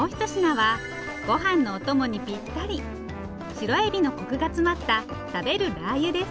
シロエビのコクが詰まった食べるラー油です。